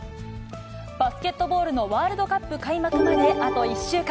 バスケットボールのワールドカップ開幕まであと１週間。